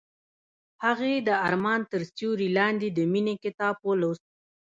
هغې د آرمان تر سیوري لاندې د مینې کتاب ولوست.